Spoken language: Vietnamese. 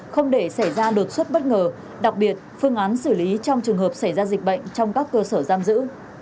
không để xảy ra đột xuất bất ngờ đặc biệt phương án xử lý trong trường hợp xảy ra dịch bệnh trong các cơ sở giam giữ